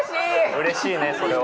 うれしいね、それは。